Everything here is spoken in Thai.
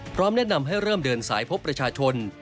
พร้อมแนะนำให้เริ่มเดินสายพบประชาชน